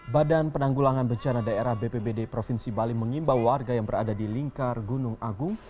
badan penanggulangan bencana daerah bpbd provinsi bali mengimbau warga yang berada di lingkar gunung agung